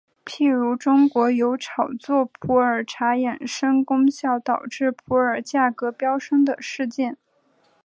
譬如中国有炒作普洱茶养生功效导致普洱价格飙升的事件。